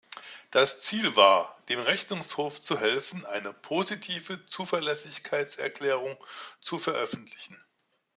Das Ziel war, dem Rechnungshof zu helfen, eine positive Zuverlässigkeitserklärung zu veröffentlichen.